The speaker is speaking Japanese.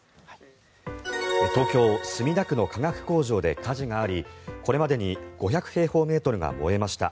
東京・墨田区の化学工場で火事がありこれまでに５００平方メートルが燃えました。